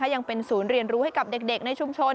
ยังเป็นศูนย์เรียนรู้ให้กับเด็กในชุมชน